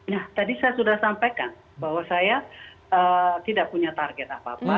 nah tadi saya sudah sampaikan bahwa saya tidak punya target apa apa